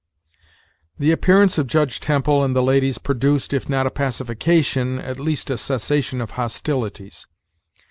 The appearance of Judge Temple and the ladies produced, if not a pacification, at least a cessation of hostilities.